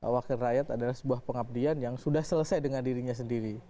wakil rakyat adalah sebuah pengabdian yang sudah selesai dengan dirinya sendiri